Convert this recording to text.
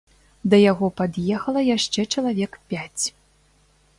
Да яго пад'ехала яшчэ чалавек пяць.